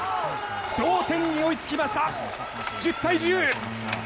同点に追いつきました１０対１０。